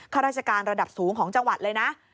ข้าราชการระดับสูงของจังหวัดเลยนะ